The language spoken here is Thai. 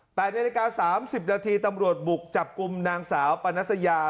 ๘นาฬิกา๓๐นาทีตำรวจบกลุ่มนางสาวปานัสยา